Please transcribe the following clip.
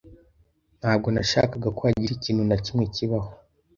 Ntabwo nashakaga ko hagira ikintu na kimwe kibaho.